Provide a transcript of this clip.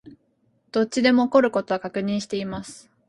どっちでも起こる事は確認しています